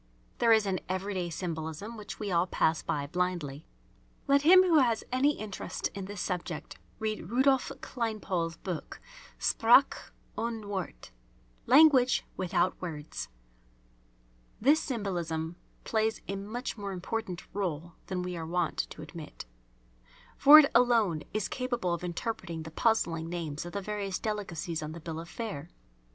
There is an everyday symbolism which we all pass by blindly. Let him who has any interest in this subject read Rudolph Kleinpaul's book, "Sprache ohne Worte" (Language without Words). This symbolism plays a much more important rôle than we are wont to admit. For it alone is capable of interpreting the puzzling names of the various delicacies on the bill of fare.